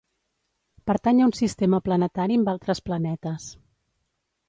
Pertany a un sistema planetari amb altres planetes.